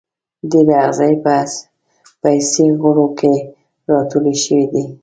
ډېری آخذې په حسي غړو کې را ټولې شوي دي.